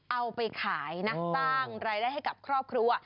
เอาไปขายนะสร้างรายได้ให้กับครอบครัว